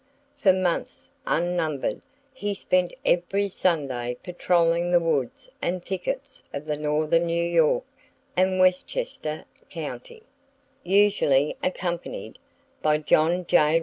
For months unnumbered, he spent every Sunday patroling the woods and thickets of northern New York and Westchester county, usually accompanied by John J.